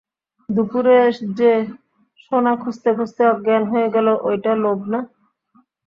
দুপুরে যে, সোনা খুঁজতে খুঁজতে, অজ্ঞান হয়ে গেলা, ওইটা লোভ না?